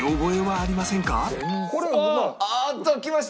あっときました！